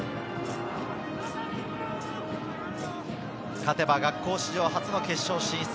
勝てば学校史上初の決勝進出。